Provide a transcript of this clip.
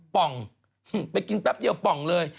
ป่องไปกินแป๊บเดียวป่องเลย